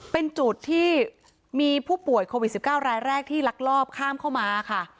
เป็นจุดที่มีผู้ป่วยโควิด๑๙รายแรกที่ลักลอบข้ามเข้ามาค่ะ